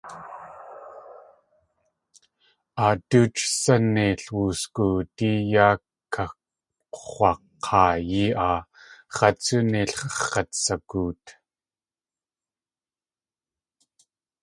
Aadóoch sá neil wusgoodí yáa kax̲waak̲aayi aa, x̲át tsú neilx̲ x̲at sagoot.